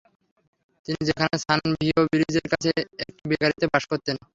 তিনি সেখানে সান ভিও ব্রিজের কাছে একটি বেকারিতে বাস করতেন।